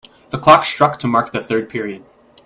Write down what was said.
The clock struck to mark the third period.